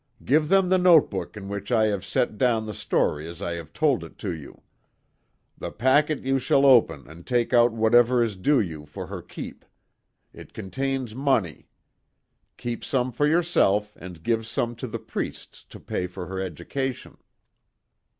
Give them the notebook in which I have set down the story as I have told it to you. The packet you shall open and take out whatever is due you for her keep. It contains money. Keep some for yourself and give some to the priests to pay for her education."